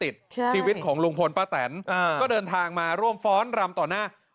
ชีวิตของลุงพลป้าแตนก็เดินทางมาร่วมฟ้อนรำต่อหน้า